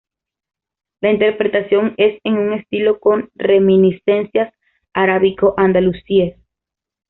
La interpretación es en un estilo con reminiscencias arábico-andalusíes.